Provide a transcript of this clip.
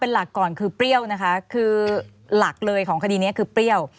หลักก่อนคือเปรี้ยวนะคะคือหลักเลยของคดีนี้คือเปรี้ยว